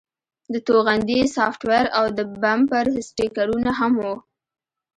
د توغندي سافټویر او د بمپر سټیکرونه هم وو